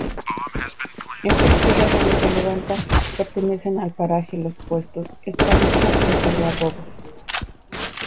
Esas tierras donde se levanta pertenecen al Paraje Los Puestos, Estancia Los Algarrobos.